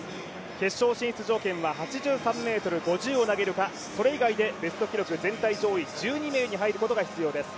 決勝進出条件は８３ｍ５０を投げるか、それ以外でベスト記録全体上位１２人に入ることが必要です。